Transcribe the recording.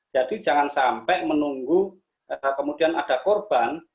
jadi jangan sampai menunggu kemudian ada korban